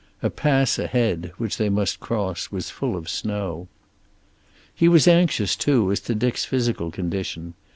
A pass ahead, which they must cross, was full of snow. He was anxious, too, as to Dick's physical condition.